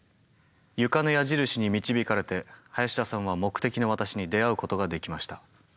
床の矢印に導かれて林田さんは目的の私に出会うことができました。